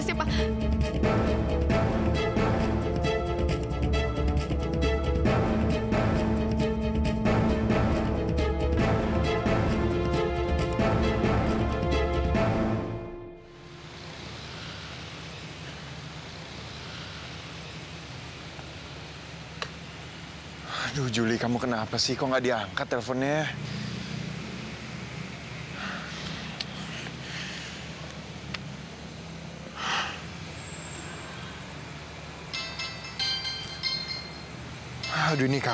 sampai jumpa di video selanjutnya